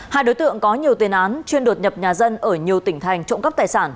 hai đối tượng có nhiều tiền án chuyên đột nhập nhà dân ở nhiều tỉnh thành trộm cắp tài sản